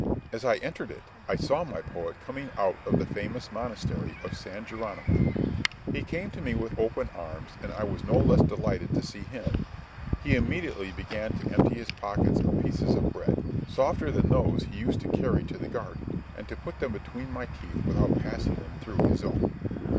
As I entered it, I saw my poet coming out of the famous monastery of San Geronimo. He came to me with open arms, and I was no less delighted to see him. He immediately began to empty his pockets of pieces of bread, softer than those he used to, carry to the garden, and to put them between my teeth without passing them through his own.